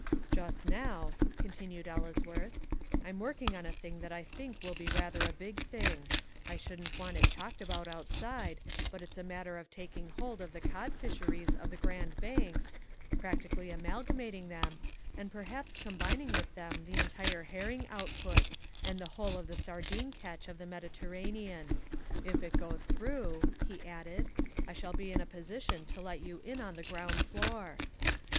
"Just now," continued Ellesworth, "I'm working on a thing that I think will be rather a big thing. I shouldn't want it talked about outside, but it's a matter of taking hold of the cod fisheries of the Grand Banks, practically amalgamating them and perhaps combining with them the entire herring output, and the whole of the sardine catch of the Mediterranean. If it goes through," he added, "I shall be in a position to let you in on the ground floor."